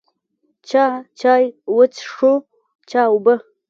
چا چای وڅښو، چا اوبه.